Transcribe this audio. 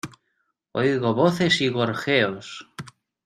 oigo voces y gorjeos: